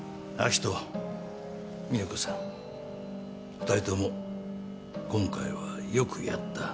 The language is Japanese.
２人とも今回はよくやった。